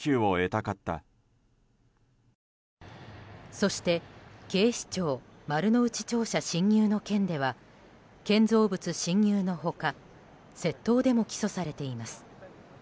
そして、警視庁丸の内庁舎侵入の件では建造物侵入の他窃盗でも起訴されています。